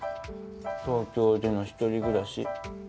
東京での一人暮らし